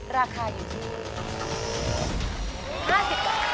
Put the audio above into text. ราคาอยู่ที่